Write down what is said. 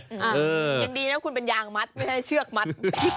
ยังดีนะคุณเป็นยางมัดไม่ใช่เชือกมัด